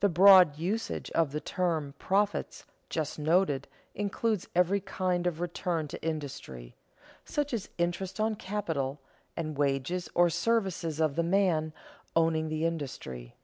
The broad usage of the term profits just noted includes every kind of return to industry: such as interest on capital, and wages or services of the man owning the industry.